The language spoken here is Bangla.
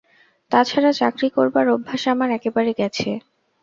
তা ছাড়া চাকরি করবার অভ্যাস আমার একেবারে গেছে।